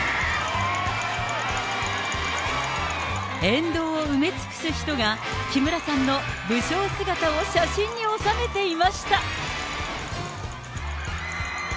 沿道を埋め尽くす人が木村さんの武将姿を写真に収めていました。